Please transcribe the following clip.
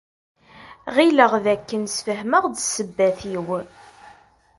Ɣileɣ dakken sfehmeɣ-d ssebbat-iw.